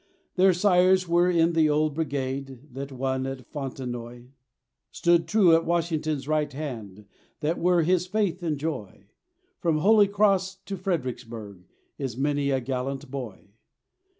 Their sires were in the old Brigade That won at Fontenoy, Stood true at Washington's right hand, that were his faith and joy: From Holy Cross to Fredericksburg Is many a gallant boy.